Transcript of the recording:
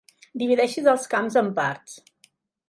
Divideixis els camps en parts.